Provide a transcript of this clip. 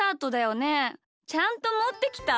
ちゃんともってきた？